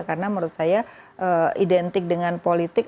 karena menurut saya identik dengan politik